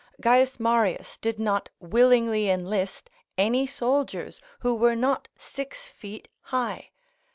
C. Marius did not willingly enlist any soldiers who were not six feet high.